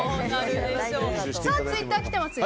ツイッター来ていますよ。